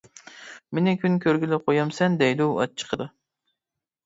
مېنى كۈن كۆرگىلى قويامسەن دەيدۇ ئاچچىقىدا.